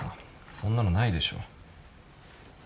そんなのないでしょ。